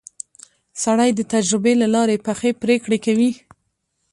سړی د تجربې له لارې پخې پرېکړې کوي